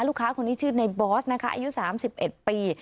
ลูกค้าคนนี้ชื่อในบอสนะคะอายุ๓๑ปี